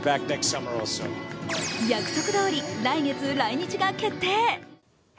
約束どおり、来月来日が決定。